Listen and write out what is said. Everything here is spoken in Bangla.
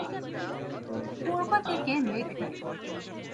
পূর্বদিকে মেঘ নাই।